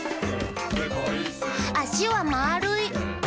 「あしはまるい！」